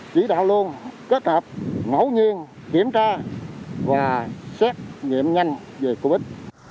chỉ đạo luôn kết hợp ngẫu nhiên kiểm tra và xét nghiệm nhanh về covid